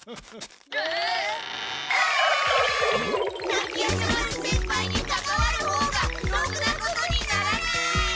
滝夜叉丸先輩にかかわるほうがろくなことにならない！